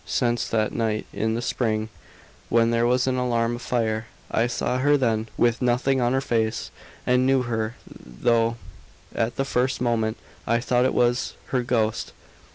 "Since that night in the spring, when there was an alarm of fire. I saw her then, with nothing on her face, and knew her; though, at the first moment, I thought it was her ghost.